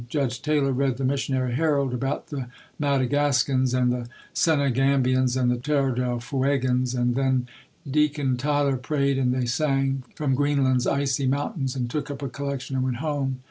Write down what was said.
Judge Taylor read the Missionary Herald about the Madagascans and the Senegambians and the Terra del Fuegans and then Deacon Tyler prayed and they sang "From Greenland's Icy Mountains" and took up a collection and went home.